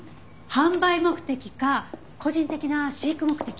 販売目的か個人的な飼育目的。